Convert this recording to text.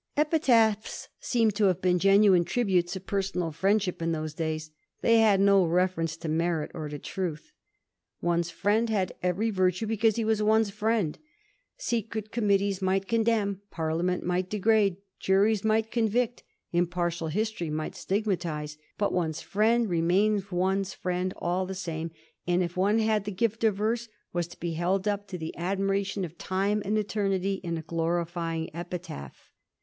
Epitaphs seem to have been genuine tributes of personal friendship in those days ; they had no refer ence to merit or to truth. One's friend had every virtue because he was one's friend. Secret committees might condemn, Parliament might degrade, juries might convict, impartial history might stigmatise; but one's friend remained one's friend all the same, and if one had the gift of verse, was to be held up to the admiration of time and eternity in a glorifying epitaph.